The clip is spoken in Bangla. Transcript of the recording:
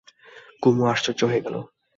কুমু আশ্চর্য হয়ে গেল।